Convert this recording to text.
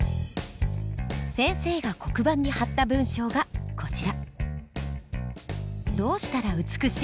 先生が黒板に貼った文章がこちら。